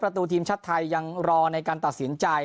ตูทีมชาติไทยยังรอในการตัดสินใจ